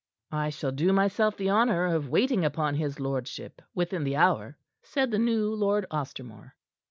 "I shall do myself the honor of waiting upon his lordship within the hour," said the new Lord Ostermore.